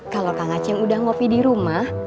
kalau kang aceng udah ngopi di rumah